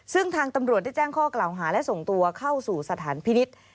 ซึ่งทางตำรวจได้แจ้งข้อกล่าวหาและส่งตัวเข้าสู่สถานพินิษฐ์